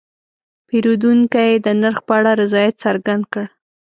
پیرودونکی د نرخ په اړه رضایت څرګند کړ.